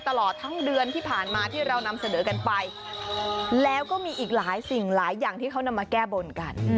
ตลอดทั้งเดือนที่ผ่านมาที่เรานำเสนอกันไปแล้วก็มีอีกหลายสิ่งหลายอย่างที่เขานำมาแก้บนกัน